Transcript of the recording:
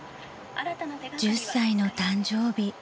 ［１０歳の誕生日